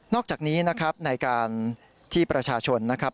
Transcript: อกจากนี้นะครับในการที่ประชาชนนะครับ